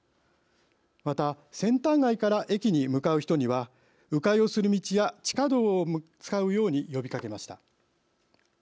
また、センター街から駅に向かう人にはう回をする道や地下道を使うように呼びかけました。